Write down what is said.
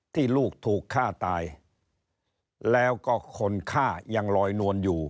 ที่ลูกถูกฆ่าตายแล้วก็คนฆ่ายังลอยนวลอยู่